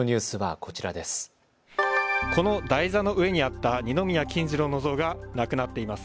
この台座の上にあった二宮金次郎の像がなくなっています。